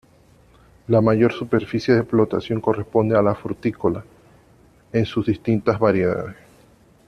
La mayor superficie de explotación corresponde a la frutícola, en sus distintas variedades.